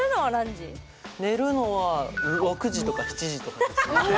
寝るのは６時とか７時とかですね。